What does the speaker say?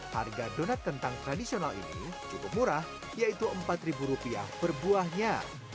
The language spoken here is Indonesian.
harga donat kentang tradisional ini cukup murah yaitu rp empat per buahnya